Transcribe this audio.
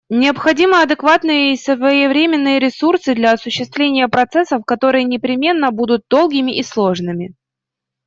Необходимы адекватные и своевременные ресурсы для осуществления процессов, которые непременно будут долгими и сложными.